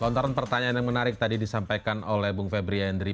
lontaran pertanyaan yang menarik tadi disampaikan oleh bung febri yandri